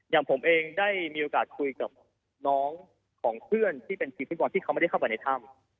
อย่างผมเองได้มีโอกาสคุยกับน้องของเพื่อนที่เป็นทีมฟุตบอลที่เขาไม่ได้เข้าไปในถ้ำ